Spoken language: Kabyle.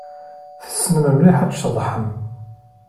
Tessnem mliḥ ad tceḍḥem.